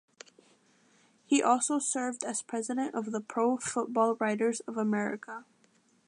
He also served as President of the Pro Football Writers of America.